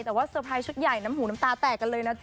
แต่ว่าเตอร์ไพรส์ชุดใหญ่น้ำหูน้ำตาแตกกันเลยนะจ๊